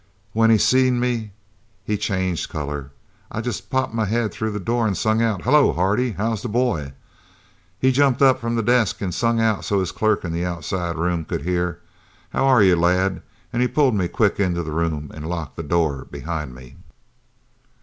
When he seen me he changed colour. I'd jest popped my head through the door an' sung out: 'Hello, Hardy, how's the boy?' He jumped up from the desk an' sung out so's his clerk in the outside room could hear: 'How are you, lad?' an' he pulled me quick into the room an' locked the door behind me.